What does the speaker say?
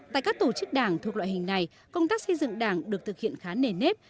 tại các tổ chức đảng thuộc loại hình này công tác xây dựng đảng được thực hiện khá nền nếp